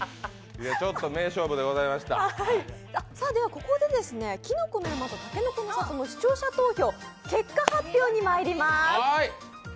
ここで、きのこの山とたけのこの里の視聴者投票の結果発表に入ります。